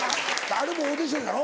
あれもオーディションやろ。